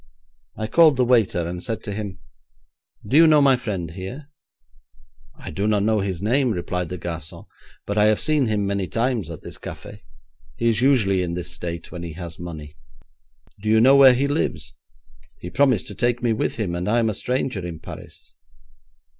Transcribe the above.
I called the waiter, and said to him, 'Do you know my friend here?' 'I do not know his name,' replied the garçon, 'but I have seen him many times at this café. He is usually in this state when he has money.' 'Do you know where he lives? He promised to take me with him, and I am a stranger in Paris.'